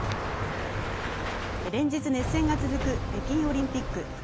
連日、熱戦が続く北京オリンピック。